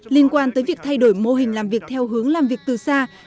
liên quan tới việc thay đổi mô hình làm việc theo hướng làm việc từ xa